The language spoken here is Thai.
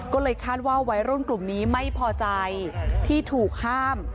ก็เลยคาดว่าวัยรุ่นกลุ่มนี้ไม่พอใจที่ถูกห้าม